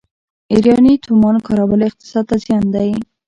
د ایراني تومان کارول اقتصاد ته زیان دی.